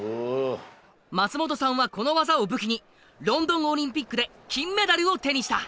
松本さんはこの技を武器にロンドンオリンピックで金メダルを手にした。